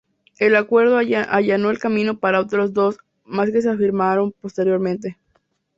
El acuerdo allanó el camino para otros dos más que se firmaron posteriormente.